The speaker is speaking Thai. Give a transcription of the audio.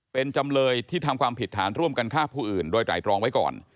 เป็นจำเลยที่ทำความผิดฐานร่วมกันฆ่าผู้อื่นโดยไตรรองไว้ก่อน